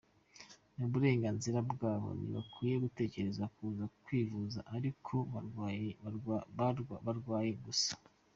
Ni uburenganzira bwabo, ntibakwiye gutegereza kuza kwivuza ari uko barwaye gusa.